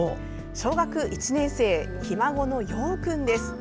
小学１年生、ひ孫の葉生君です。